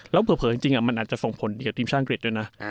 แล้วเผลอจริงมันอาจจะส่งผลเกี่ยวกับทีมชาติอังกฤษด้วยนะ